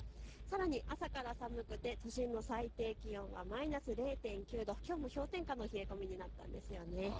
さらに朝から寒くて都心の最低気温はマイナス０．９度、きょうも氷点下の冷え込みになりました。